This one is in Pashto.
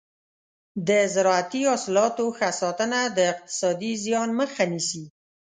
د زراعتي حاصلاتو ښه ساتنه د اقتصادي زیان مخه نیسي.